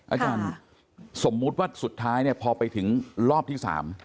อาจารย์สมมุติว่าสุดท้ายเนี่ยพอไปถึงรอบที่๓